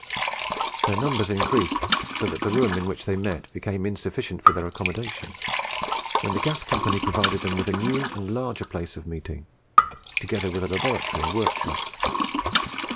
Their numbers increased so that the room in which they met became insufficient for their accommodation, when the Gas Company provided them with a new and larger place of meeting, together with a laboratory and workshop.